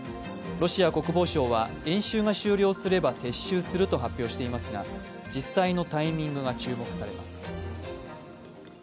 ロシア国防省は演習が終了すれば撤収すると発表していますが、実際のタイミングが注目されます。